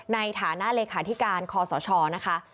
ในฐานะเลขาธิการคอสชนะคะ